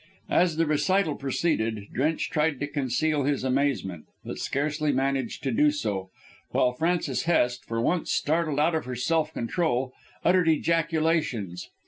As the recital proceeded Drench tried to conceal his amazement, but scarcely managed to do so, while Frances Hest, for once startled out of her self control, uttered ejaculations.